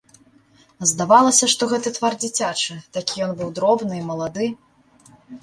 Здавалася, што гэты твар дзіцячы, такі ён быў дробны і малады.